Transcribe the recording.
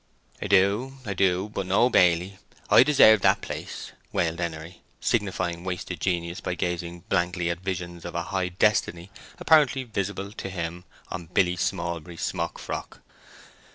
"I do, I do; but no baily—I deserved that place," wailed Henery, signifying wasted genius by gazing blankly at visions of a high destiny apparently visible to him on Billy Smallbury's smock frock.